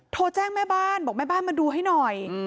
โทรแจ้งแม่บ้านบอกแม่บ้านมาดูให้หน่อย